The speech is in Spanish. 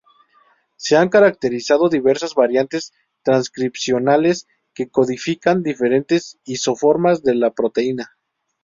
Se han caracterizado diversas variantes transcripcionales que codifican diferentes isoformas de la proteína.